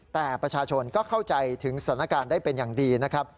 แต่ประชาชนก็เข้าใจถึงสถานการณ์ได้เป็นอย่างดีนะครับ